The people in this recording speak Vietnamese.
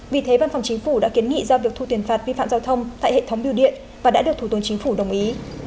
vì thế văn phòng chính phủ đã kiến nghị do việc thu tiền phạt vi phạm giao thông tại hệ thống biêu điện và đã được thủ tướng chính phủ đồng ý